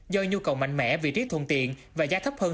do nhu cầu mạnh mẽ vị trí thuận tiện và giá thấp hơn